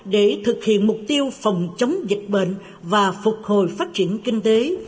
để thực hiện mục tiêu phòng chống dịch bệnh và phục hồi phát triển kinh tế